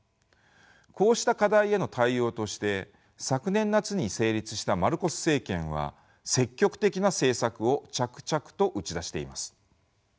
こうした課題への対応として昨年夏に成立したマルコス政権は積極的な政策を着々と打ち出しています。